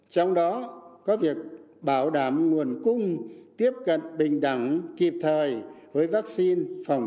bảy trong đó có việc bảo đảm nguồn cung tiếp cận bình đẳng kịp thời với vắc xin